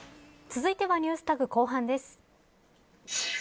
続いてはＮｅｗｓＴａｇ後半です。